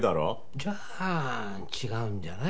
じゃあ違うんじゃない？